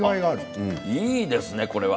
いいですね、これは。